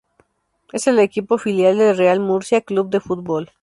Es el equipo filial del Real Murcia Club de Fútbol.